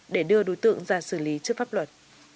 để đưa đối tượng ra xử lý trước pháp luật